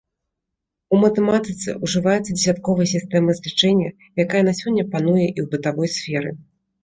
У матэматыцы ўжываецца дзесятковая сістэма злічэння, якая на сёння пануе і ў бытавой сферы.